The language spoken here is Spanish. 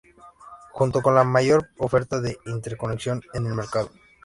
Junto con la mayor oferta de interconexión en el mercado.